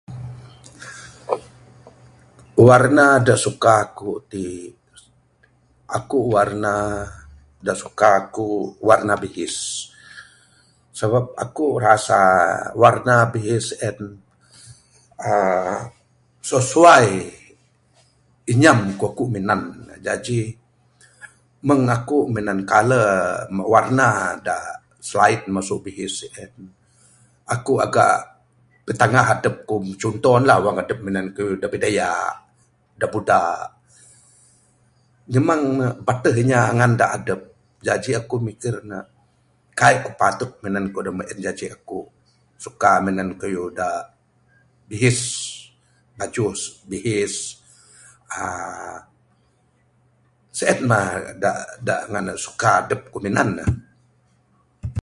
Warna da suka aku ti aku warna da suka aku warna bihis sabab aku rasa warna bihis en uhh sesuai inyam ne aku minan ne jaji meng aku minan colour da warna da selain masu bihis sien aku agak pintangah adep ku cuntoh ne lah wang adep ku da bidaya da buda memang ne bateh inya ngan ne da adep jaji aku mikir ne kaik patut minan kayuh da meng en jaji aku suka minan kayuh da bihis bajuh bihis uhh sien mah ngan da da suka adep ku minan ne.